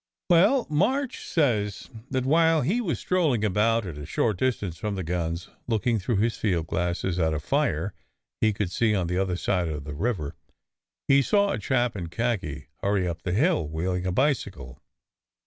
"Well, March says that while he was strolling about, at a short distance from the guns, looking through his field glasses at a fire he could see on the other side of the river, he saw a chap in khaki hurry up the hill, wheeling a bicycle.